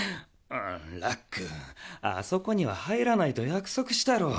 ラックあそこにははいらないとやくそくしたろ？